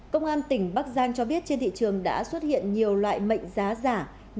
công an tỉnh bắc giang cho biết trên thị trường đã xuất hiện nhiều loại mệnh giá giả